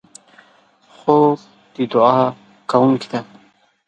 خور د دعا کوونکې ده.